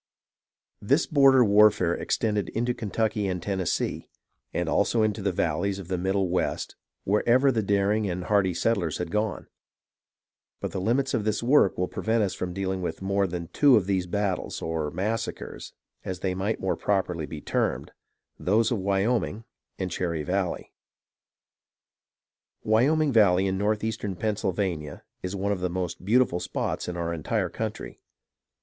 This border warfare extended into Kentucky and Ten nessee, and also into the valleys of the Middle West wher ever the daring and hardy settlers had gone ; but the limits of this work will prevent us from dealing with more than two of these battles, or massacres, as they might more prop erly be termed, — those of Wyoming and Cherry Valley. Wyoming Valley in northeastern Pennsylvania is one of the most beautiful spots in our entire country.